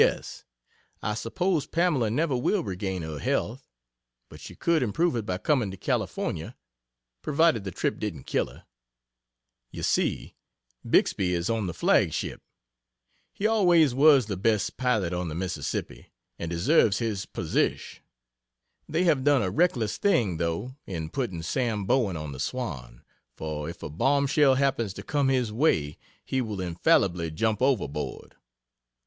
S. I suppose Pamela never will regain her health, but she could improve it by coming to California provided the trip didn't kill her. You see Bixby is on the flag ship. He always was the best pilot on the Mississippi, and deserves his "posish." They have done a reckless thing, though, in putting Sam Bowen on the "Swan" for if a bomb shell happens to come his way, he will infallibly jump overboard.